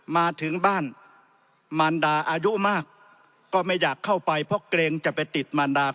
มาถึงบ้านมารดาอายุมากก็ไม่อยากเข้าไปเพราะเกรงจะไปติดมารดา